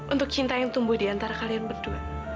untuk cinta yang tumbuh di antara kalian berdua